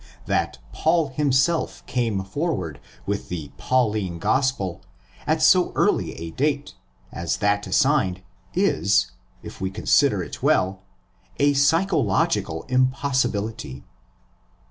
That Paul himself came forward with the '' Pauline" Gospel at so early a date as that assigned is, if we consider it well, a psychological impossibility.